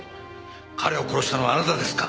彼を殺したのはあなたですか？